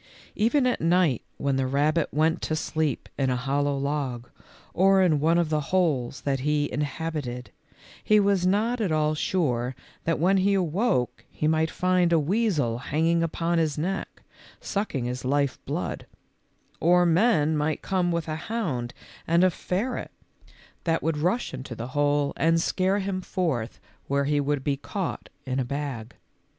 Even at night when the rabbit went to sleep in a hollow log or in one of the holes that he inhabited, he was not at all sure but that when he awoke he might find a weazel hanging upon his neck, sucking his life blood ; or men might come with a hound and a ferret that would HE WOULD SIT FOR AN HOUR AT A TIME ON AN OLD LOG. BOB'S REVENGE. 131 rush into the hole and scare him forth where he would be caught in a bag.